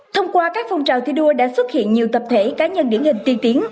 thông qua các phong trào thi đua đã xuất hiện nhiều tập thể cá nhân điển hình tiên tiến